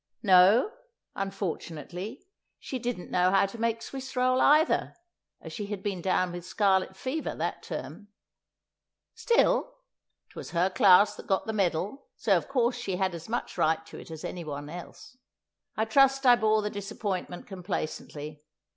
... No, unfortunately, she didn't know how to make Swiss roll either, as she had been down with scarlet fever that term. Still, it was her class that got the medal, so of course she had as much right to it as anyone else. I trust I bore the disappointment complacently.